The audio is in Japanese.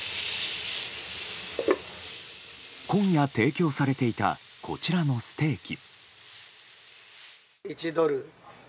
今夜、提供されていたこちらのステーキ。